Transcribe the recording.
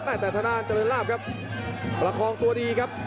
แต่ธนาจริงลาภครับประคองตัวดีครับ